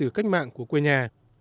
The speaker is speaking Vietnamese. lịch sử cách mạng của quê nhà